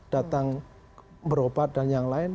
datang berobat dan yang lain